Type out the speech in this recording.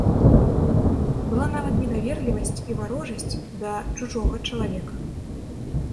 Была нават недаверлівасць і варожасць да чужога чалавека.